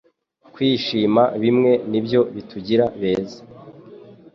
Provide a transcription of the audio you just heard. kwishima bimwe nibyo bitugira beza